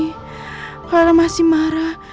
clara masih marah